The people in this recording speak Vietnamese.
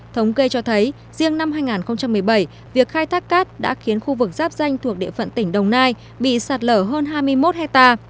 thống kê cho thấy riêng năm hai nghìn một mươi bảy việc khai thác cát đã khiến khu vực giáp danh thuộc địa phận tỉnh đồng nai bị sạt lở hơn hai mươi một hectare